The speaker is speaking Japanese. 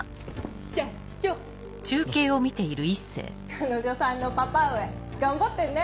彼女さんのパパ上頑張ってんね。